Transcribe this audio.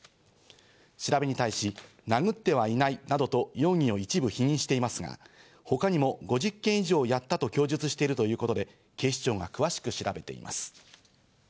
調べに対し殴ってはいないなどと容疑を一部否認していますが、他にも５０件以上やったと供述しているということで、警視庁が詳しく調べています。